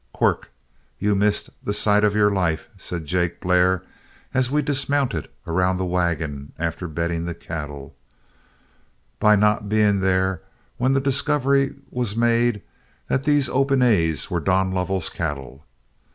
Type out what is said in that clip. "Quirk, you missed the sight of your life," said Jake Blair, as we dismounted around the wagon, after bedding the cattle, "by not being there when the discovery was made that these 'Open A's' were Don Lovell's cattle.